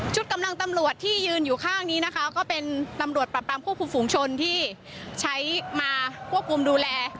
กำลังตำรวจที่ยืนอยู่ข้างนี้นะคะก็เป็นตำรวจปรับปรามควบคุมฝูงชนที่ใช้มาควบคุมดูแล